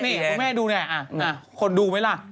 นี่คุณแม่ดูเนี่ยคนดูไหมล่ะ